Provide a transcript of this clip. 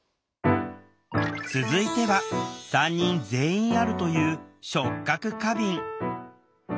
続いては３人全員あるという「触覚過敏」。